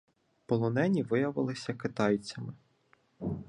Полонені виявилися китайцями.